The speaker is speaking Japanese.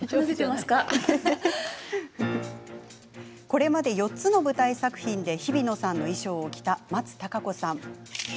これまで４つの舞台作品でひびのさんの衣装を着た松たか子さん。